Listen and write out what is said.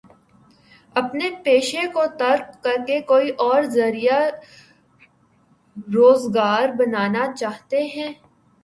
اپنے پیشے کو ترک کر کے کوئی اور ذریعہ روزگار بنانا چاہتے ہیں؟